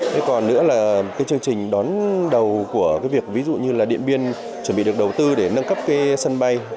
thế còn nữa là cái chương trình đón đầu của cái việc ví dụ như là điện biên chuẩn bị được đầu tư để nâng cấp cái sân bay